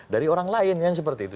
dari orang lain kan seperti itu